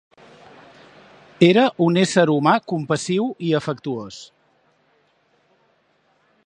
Era un ésser humà compassiu i afectuós.